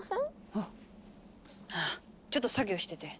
あぁちょっと作業してて。